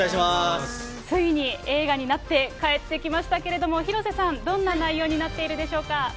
ついに映画になって帰ってきましたけれども、広瀬さん、どんな内容になっているでしょうか。